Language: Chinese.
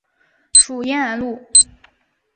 属延安路。